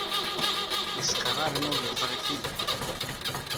Yeskeṛ armi ur yeẓri tigert.